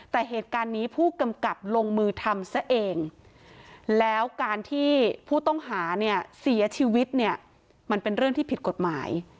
แต่เหตุการณ์นี้ผู้กำกับลงมือทำซะเองแล้วการที่ผู้ต้องหาเนี่ยเสียชีวิตเนี่ยมันเป็นเรื่องที่ผิดกฎหมาย